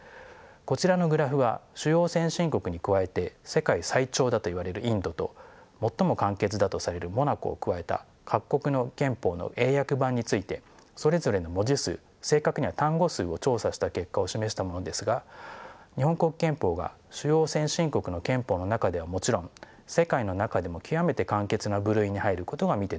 こちらのグラフは主要先進国に加えて世界最長だといわれるインドと最も簡潔だとされるモナコを加えた各国の憲法の英訳版についてそれぞれの文字数正確には単語数を調査した結果を示したものですが日本国憲法が主要先進国の憲法の中ではもちろん世界の中でも極めて簡潔な部類に入ることが見て取れます。